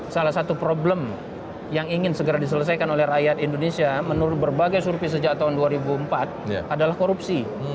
salah satu problem yang ingin segera diselesaikan oleh rakyat indonesia menurut berbagai survei sejak tahun dua ribu empat adalah korupsi